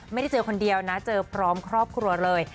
ไม่ได้เจอคนเดียวนะเจอพร้อมครอบครัวเลย